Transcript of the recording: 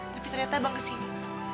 tapi ternyata abang kesini